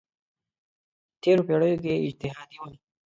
تېرو پېړیو کې اجتهادي وه.